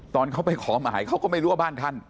ตอนเขาไปขอหมายเขาก็ไม่รู้ว่าบ้านท่าน